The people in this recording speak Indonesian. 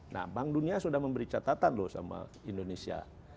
nah bank dunia sudah memberi catatan loh sama indonesia